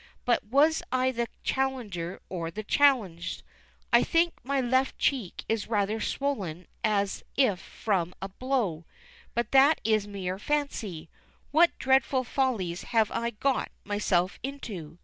But was I the challenger or the challenged? I think my left cheek is rather swollen as if from a blow; but that is mere fancy. What dreadful follies have I got myself into?